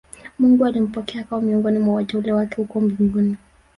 mungu ampokea akawe miongoni mwa wateule wake huko mbinguni